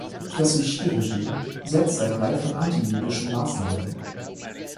Das Vichy-Regime setzte eine Reihe von antijüdischen Maßnahmen um.